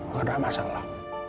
bukan ada masalah